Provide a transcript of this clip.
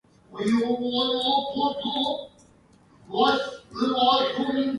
The list was compiled by members of the Council on Research and Quality Care.